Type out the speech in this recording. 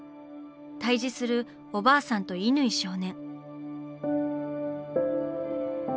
対峙するおばあさんと乾少年。